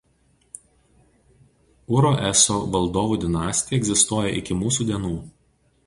Uro eso valdovų dinastija egzistuoja iki mūsų dienų.